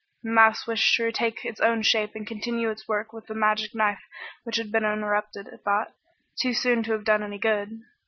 The mouse wished to retake its own shape and continue its work with the magic knife which had been interrupted, it thought, too soon to have done any good.